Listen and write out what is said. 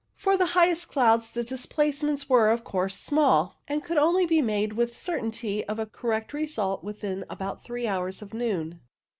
For the highest clouds the displacements were, of course, small, and could only be made with certainty of a correct result within about three hours of noon.